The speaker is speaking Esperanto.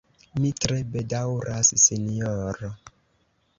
Mi tre bedaŭras, Sinjoro.